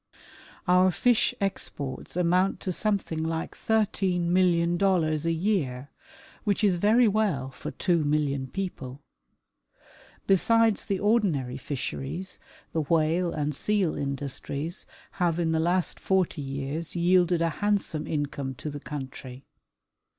Our fish exports amount to something like thirteen million dollars a year, which is very well for two million peo2)le. Besides the ordinary fisheries, the whale and seal industries have in the last forty years yielded a handsome income to the country.